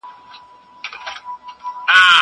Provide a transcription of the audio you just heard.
زه اوس قلم استعمالوموم!